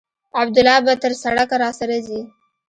عبدالله به تر سړکه راسره ځي.